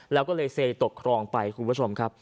แล้วก็เลยเซตกครองไปคุณผู้ชมครับ